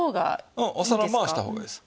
うんお皿回した方がいいです。